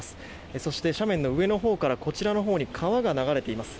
そして、斜面の上のほうからこちらのほうに川が流れています。